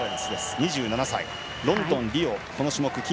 ２７歳、ロンドン、リオでこの種目で金。